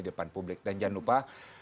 di depan publik dan jangan lupa